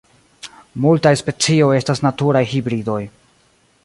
Multaj specioj estas naturaj hibridoj.